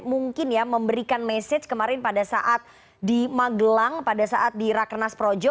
memberikan mesej kemarin pada saat di magelang pada saat di rakenas projo